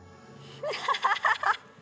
アハハハハ！